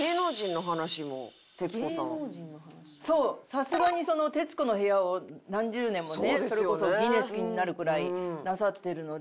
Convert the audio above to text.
さすがに『徹子の部屋』を何十年もねそれこそギネスになるくらいなさってるので。